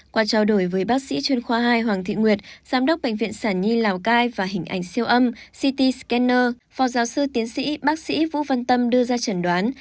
qua trao đổi với bác sĩ chuyên khoa hai hoàng thị nguyệt giám đốc bệnh viện sản nhi lào cai và hình ảnh siêu âm city scanner phó giáo sư tiến sĩ bác sĩ vũ văn tâm đưa ra trần đoán